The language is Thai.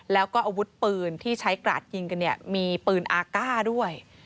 แล้วก็อาวุธปืนที่ใช้กราดยิงกันเนี่ยมีปืนอาก้าด้วย